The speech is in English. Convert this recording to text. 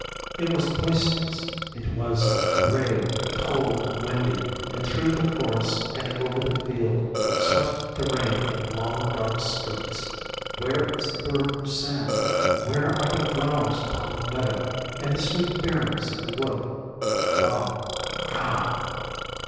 It was boisterous, it was grey, cold, and windy; and through the forest and over the field swept the rain in long dark streaks. Where is the bird who sang, where are the flowers upon the meadow, and the sweet berries of the wood? Gone! gone!